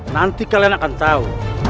nanti kalian akan tahu